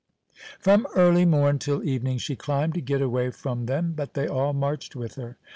From early morn till evening she climbed to get away from them, but they all marched with her.